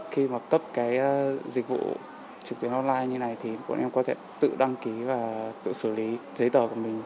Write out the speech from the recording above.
khi mà cấp cái dịch vụ trực tuyến online như này thì bọn em có thể tự đăng ký và tự xử lý giấy tờ của mình